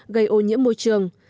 gây ô nhiễm môi trường